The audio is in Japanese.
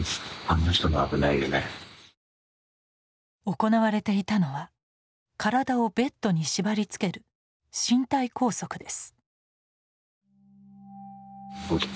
行われていたのは体をベッドに縛りつける身体拘束です。